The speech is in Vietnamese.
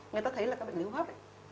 người ta thấy là các bệnh lý hô hấp